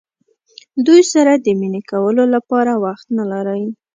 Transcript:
دوی سره د مینې کولو لپاره وخت نه لرئ.